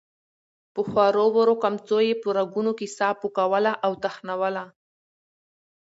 په خورو ورو کمڅو يې په رګونو کې ساه پوکوله او تخنوله.